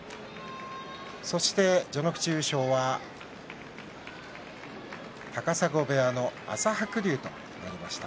そして、序ノ口優勝は高砂部屋の朝白龍となりました。